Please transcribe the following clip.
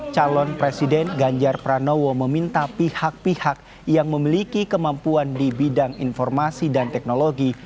calon presiden ganjar pranowo meminta pihak pihak yang memiliki kemampuan di bidang informasi dan teknologi